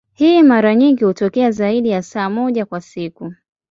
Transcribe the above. Hii mara nyingi hutokea zaidi ya saa moja kwa siku.